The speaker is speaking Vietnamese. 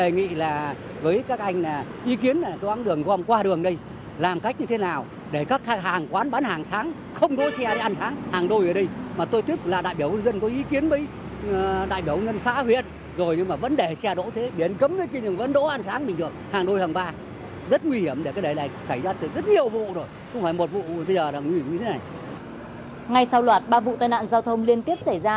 ngay sau loạt ba vụ tai nạn giao thông liên tiếp xảy ra